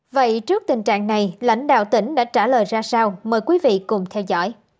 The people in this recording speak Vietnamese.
vậy trước tình trạng này lãnh đạo tỉnh đã trả lời ra sao mời quý vị cùng theo dõi